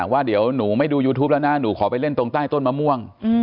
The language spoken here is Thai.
ว่าเดี๋ยวหนูไม่ดูยูทูปแล้วนะหนูขอไปเล่นตรงใต้ต้นมะม่วง